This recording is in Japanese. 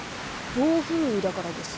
暴風雨だからです。